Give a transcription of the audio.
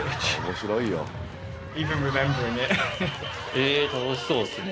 え楽しそうですね。